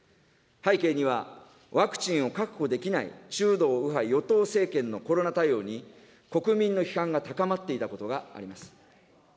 背景には、ワクチンを確保できない中道右派与党政権のコロナ対応に、国民の批判が高まっていたことがあります。